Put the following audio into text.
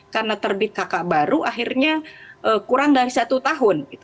karena terbit kakak baru akhirnya kurang dari satu tahun